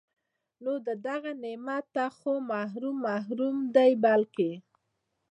نو د دغه نعمت نه خو محروم محروم دی بلکي